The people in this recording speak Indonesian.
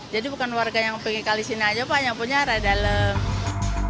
jadi bukan warga yang pengen kali sini aja yang punya arah dalam